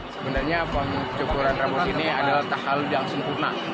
sebenarnya pencukuran rambut ini adalah tahalul yang sempurna